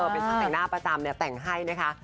เป็นช่างแต่งหน้าประจำแต่งให้นะคะ